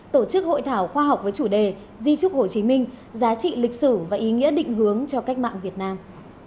tổ chức hội thảo khoa học với chủ đề di trúc hồ chí minh giá trị lịch sử và ý nghĩa định hướng cho cách mạng việt nam